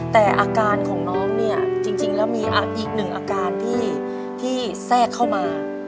แต่อาการของน้องเนี่ยจริงแล้วมีอีกหนึ่งอาการที่แทรกเข้ามา